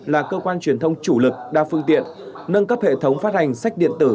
là cơ quan truyền thông chủ lực đa phương tiện nâng cấp hệ thống phát hành sách điện tử